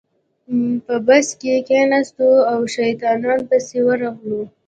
په بس کې کېناستو او شیطانانو پسې ورغلو.